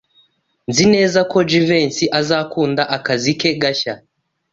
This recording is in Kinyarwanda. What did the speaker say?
Nzi neza ko Jivency azakunda akazi ke gashya.